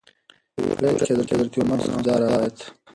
په یو روایت کې د حضرت عمر رض څخه دا روایت